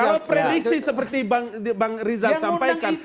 kalau prediksi seperti bang rizal sampaikan